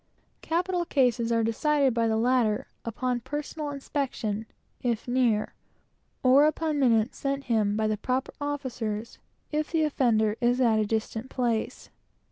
Capital cases are decided by him, upon personal inspection, if he is near; or upon minutes sent by the proper officers, if the offender is at a distant place.